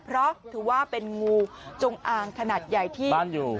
เพราะถือว่าเป็นงูจงอางขนาดใหญ่ที่บ้านอยู่